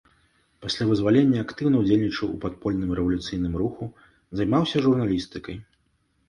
Пасля вызвалення актыўна ўдзельнічаў у падпольным рэвалюцыйным руху, займаўся журналістыкай.